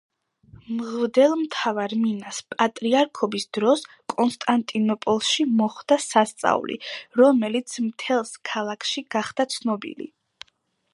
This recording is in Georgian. მღვდელმთავარ მინას პატრიარქობის დროს კონსტანტინოპოლში მოხდა სასწაული, რომელიც მთელს ქალაქში გახდა ცნობილი.